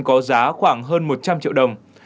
có giá khoảng hơn một trăm linh triệu đồng